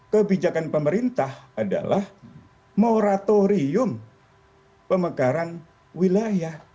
kebijakan pemerintah adalah moratorium pemekaran wilayah